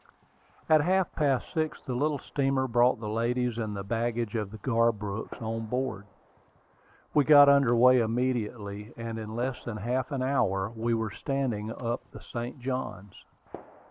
At half past six the little steamer brought the ladies and the baggage of the Garbrooks on board. We got under way immediately, and in less than half an hour we were standing up the St. Johns.